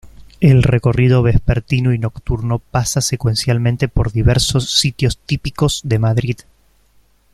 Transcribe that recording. El recorrido vespertino y nocturno pasa secuencialmente por diversos sitios típicos de Madrid.